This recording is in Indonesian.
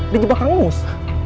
di jebak angus